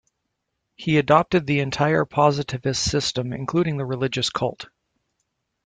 He adopted the entire positivist system, including the religious cult.